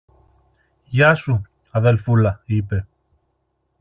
Γεια σου, αδελφούλα, είπε.